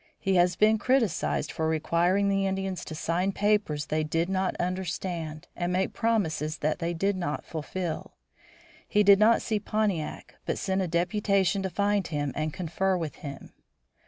He has been criticised for requiring the Indians to sign papers they did not understand and make promises that they did not fulfill. He did not see Pontiac, but sent a deputation to find him and confer with him.